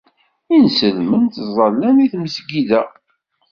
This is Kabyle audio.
Inselmen ttẓallant deg tmesgida.